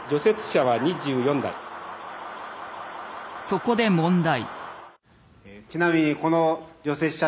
そこで問題。